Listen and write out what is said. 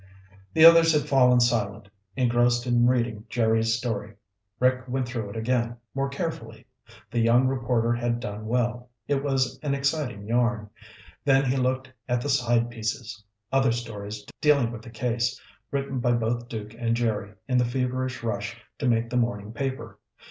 The others had fallen silent, engrossed in reading Jerry's story. Rick went through it again, more carefully. The young reporter had done well. It was an exciting yarn. Then he looked at the "side pieces," other stories dealing with the case, written by both Duke and Jerry in the feverish rush to make the morning paper.